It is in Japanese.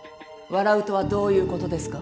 笑うとはどういうことですか？